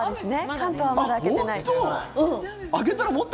関東はまだ明けてない。